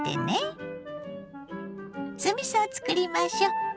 酢みそを作りましょう。